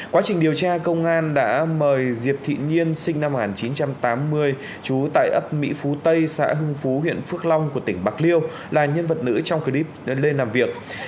quá trình điều tra công an đã mời diệp thị nhiên sinh năm một nghìn chín trăm tám mươi trú tại ấp mỹ phú tây xã hưng phú huyện phước long của tỉnh bạc liêu là nhân vật nữ trong clip lên làm việc